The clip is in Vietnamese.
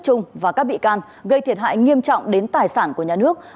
công ty trung và các bị can gây thiệt hại nghiệm nước hồ mua chế phẩm này thông qua công ty arctic